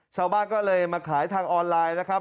ชาวบ้านก็เลยมาขายทางออนไลน์นะครับ